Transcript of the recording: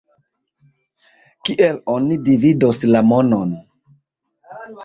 Kiel oni dividos la monon?